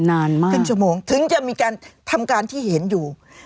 นานมากขึ้นชั่วโมงถึงจะมีการทำการที่เห็นอยู่